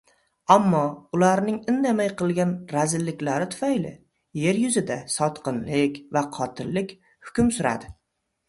ammo ularning indamay qilgan razilliklari tufayli yer yuzida sotqinlik va qotillik hukm suradi.